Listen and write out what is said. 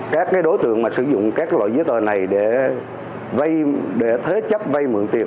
các đối tượng mà sử dụng các loại giấy tờ này để thế chấp vây mượn tiền